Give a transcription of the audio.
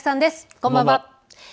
こんばんは。